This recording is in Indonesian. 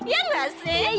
ya nggak sih